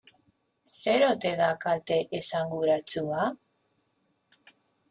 Zer ote da kalte esanguratsua?